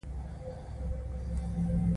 دا سافټویر د شرکت کارونه اسانه کوي.